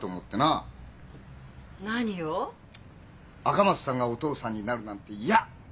「赤松さんがお父さんになるなんて嫌！」。